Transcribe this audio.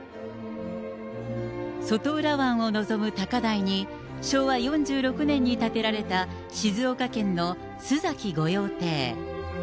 外浦湾を望む高台に、昭和４６年に建てられた静岡県の須崎御用邸。